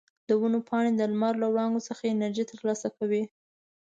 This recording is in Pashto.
د ونو پاڼې د لمر له وړانګو څخه انرژي ترلاسه کوي.